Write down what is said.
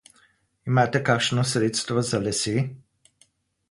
Imate kakšno sredstvo za lase?